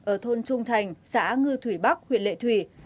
ở thôn trung thành xã ngư thủy bắc huyện lệ thủy